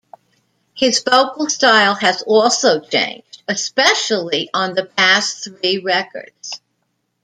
His vocal style has also changed, especially on the past three records.